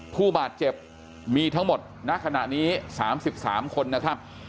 ผู้บาดเจ็บมีทั้งหมดณขณะนี้๓๓คนนะครับ